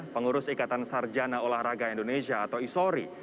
pengurus ikatan sarjana olahraga indonesia atau isori